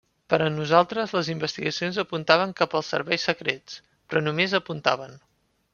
Per a nosaltres, les investigacions apuntaven cap als serveis secrets, però només apuntaven.